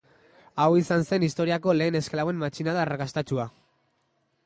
Hau izan zen historiako lehen esklaboen matxinada arrakastatsua.